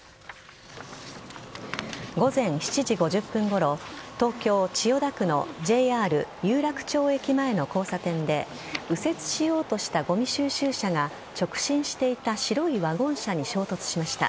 午前７時５０分ごろ東京・千代田区のＪＲ有楽町駅前の交差点で右折しようとしたごみ収集車が直進していた白いワゴン車に衝突しました。